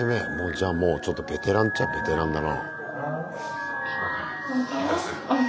じゃあもうちょっとベテランっちゃベテランだな。